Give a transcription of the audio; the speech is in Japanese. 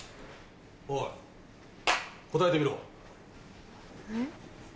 おい答えてみろ。